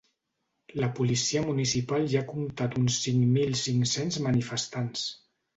La policia municipal hi ha comptat uns cinc mil cinc-cents manifestants.